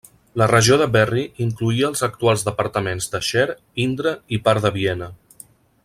La regió de Berry incloïa els actuals departaments de Cher, Indre i part de Viena.